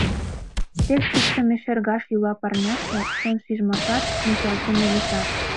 Тек чиктыме шергаш йӱла парняште, Чон шижмашат мучашдыме лийшаш.